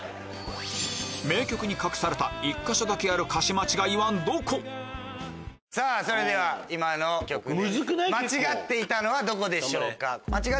名曲に隠された１か所だけあるそれでは今の曲で間違っていたのはどこでしょう？